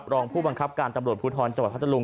ลองผู้บังคับการองค์ตำรวจพุทธรจับหวัดพัตตาลุง